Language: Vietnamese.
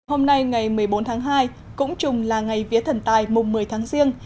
hôm nay ngày một mươi bốn tháng hai cũng trùng là ngày vía thần tài mùng một mươi tháng riêng